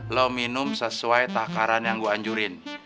lo minum sesuai takaran yang gue anjurin